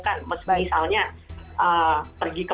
misalnya pergi ke pasar atau pergi ke supermarket